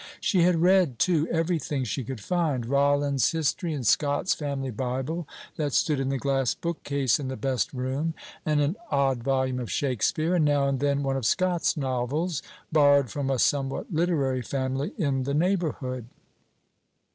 She had read, too, every thing she could find: Rollin's History, and Scott's Family Bible, that stood in the glass bookcase in the best room, and an odd volume of Shakspeare, and now and then one of Scott's novels, borrowed from a somewhat literary family in the neighborhood.